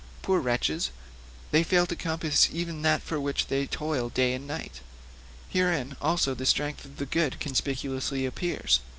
Poor wretches! they fail to compass even that for which they toil day and night. Herein also the strength of the good conspicuously appears.